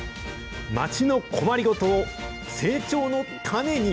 まちの困りごとを成長の種に！